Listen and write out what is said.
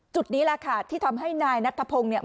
นี่แหละค่ะที่ทำให้นายนัทธพงศ์เนี่ย